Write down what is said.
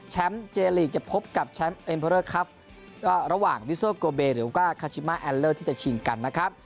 เจลีกจะพบกับแชมป์เอ็มเพอร์เลอร์ครับก็ระหว่างวิโซโกเบหรือว่าคาชิมาแอลเลอร์ที่จะชิงกันนะครับ